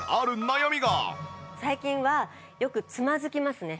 最近はよくつまずきますね。